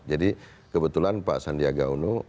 jadi kebetulan pak sandiaga unum